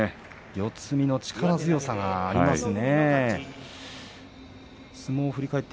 四つ目の力強さがありますね。